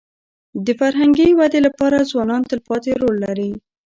د فرهنګي ودي لپاره ځوانان تلپاتې رول لري.